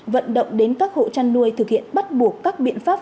vận động đến các hộ chăn nuôi thực hiện bắt buộc các biện pháp